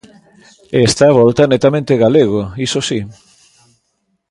Esta volta netamente galego, iso si.